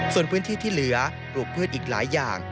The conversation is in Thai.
ส่วนพื้นที่ที่เหลือปลูกพืชอีกหลายอย่าง